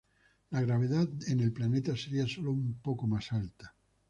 La gravedad en el planeta sería solo un poco más alta.